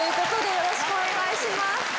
よろしくお願いします。